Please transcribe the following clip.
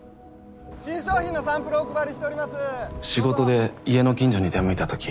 新商品のサンプルお配りして仕事で家の近所に出向いたとき。